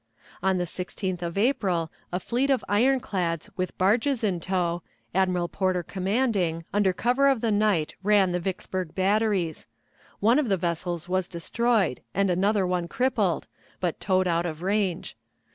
On the 16th of April a fleet of ironclads with barges in tow, Admiral Porter commanding, under cover of the night ran the Vicksburg batteries. One of the vessels was destroyed, and another one crippled, but towed out of range.